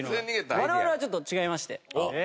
我々はちょっと違いまして。